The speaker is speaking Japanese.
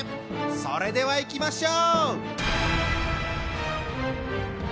それではいきましょう！